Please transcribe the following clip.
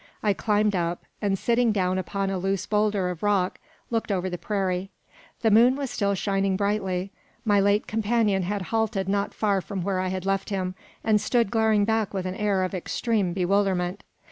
I climbed up; and sitting down upon a loose boulder of rock, looked over the prairie. The moon was still shining brightly. My late companion had halted not far from where I had left him, and stood glaring back with an air of extreme bewilderment.